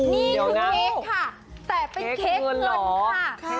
นี่คือเค้กค่ะแต่เป็นเค้กเงินค่ะ